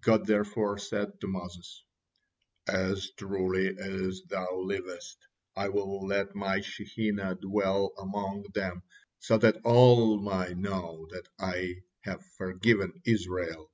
God therefore said to Moses: "As truly as thou livest, I will let My Shekinah dwell among them, so that all my know that I have forgiven Israel.